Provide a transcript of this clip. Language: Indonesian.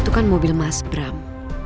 itu kan mobil mas bram